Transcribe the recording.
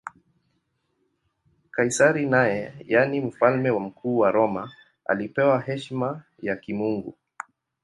Kaisari naye, yaani Mfalme Mkuu wa Roma, alipewa heshima ya kimungu.